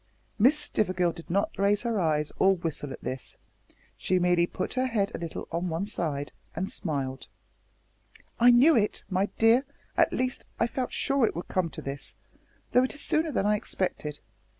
Miss Stivergill did not raise her eyes or whistle at this. She merely put her head a little on one side and smiled. "I knew it, my dear at least I felt sure it would come to this, though it is sooner than I expected.